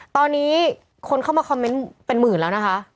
ตอนนี้คนเข้ามาคอมเมนต์เป็นหมื่นแล้วนะคะ